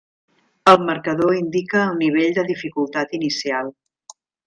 El marcador indica el nivell de dificultat inicial.